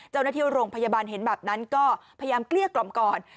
เจ้าหน้าที่โรงพยาบาลเห็นแบบนั้นก็พยายามเกลี้ยกล่อมก่อน